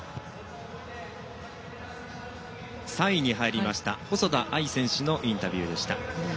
３位に入りました細田あい選手のインタビューでした。